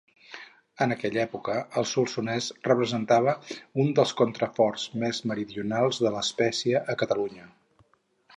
En aquella època, el Solsonès representava un dels contraforts més meridionals de l'espècie a Catalunya.